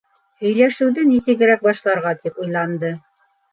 Һөйләшеүҙе нисегерәк башларға тип уйланды.